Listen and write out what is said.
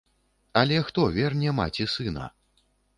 Але хто верне маці сына?